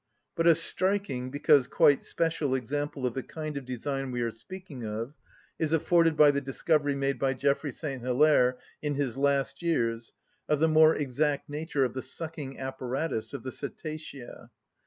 But a striking, because quite special, example of the kind of design we are speaking of is afforded by the discovery made by Geoffroy St. Hilaire, in his last years, of the more exact nature of the sucking apparatus of the cetacea.